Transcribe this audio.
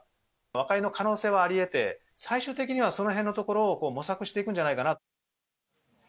和解の可能性はありえて、最終的にはそのへんのところを模索していくんじゃないかな。